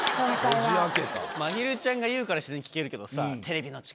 まひるちゃんが言うから自然に聞けるけどさ。